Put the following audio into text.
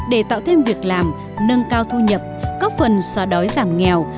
để tạo thêm việc làm nâng cao thu nhập góp phần xóa đói giảm nghèo